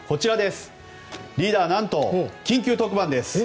リーダー何と、緊急特番です。